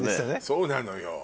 そうなのよ。